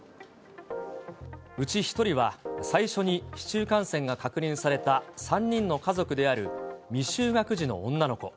うち１人は、最初に市中感染が確認された３人の家族である未就学児の女の子。